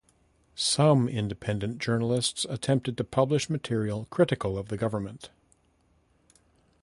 Some independent journalists attempted to publish material critical of the government.